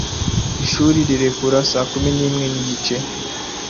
Ishuri rirekura saa kumi n'imwe n'igice.